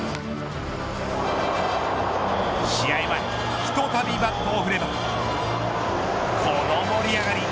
試合前ひとたびバットを振ればこの盛り上がり。